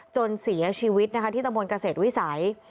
จนเสียชีวิตนะคะที่ตะบนเกษตรวิสัย